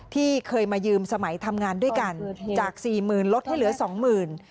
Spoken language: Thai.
ที่เคยมายืมสมัยทำงานด้วยกันจากสี่หมื่นลดให้เหลือสองหมื่น